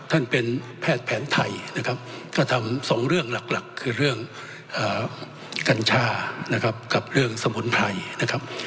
ท่านเป็นแพทย์แผนไทยนะครับก็ทำสองเรื่องหลักหลักคือเรื่องกัญชานะครับกับเรื่องสมุนไพรนะครับ